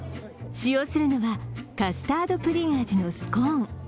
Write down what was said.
使用するのはカスタードプリン味のスコーン。